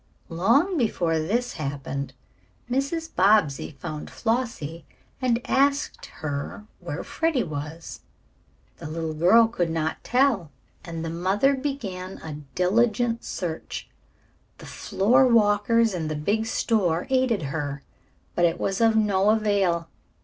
Long before this happened Mrs. Bobbsey found Flossie and asked her where Freddie was. The little girl could not tell, and the mother began a diligent search. The floor walkers in the big store aided her, but it was of no avail.